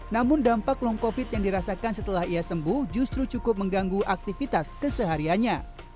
namun dampak long covid yang dirasakan setelah ia sembuh justru cukup mengganggu aktivitas kesehariannya